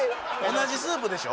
同じスープでしょ？